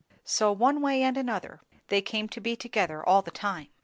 So one way and another they came to be together all the time.